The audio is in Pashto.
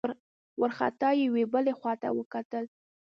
وارخطا يې يوې بلې خواته وکتل.